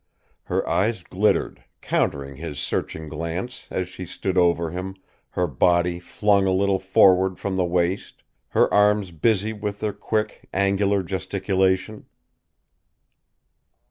Her eyes glittered, countering his searching glance, as she stood over him, her body flung a little forward from the waist, her arms busy with their quick, angular gesticulation.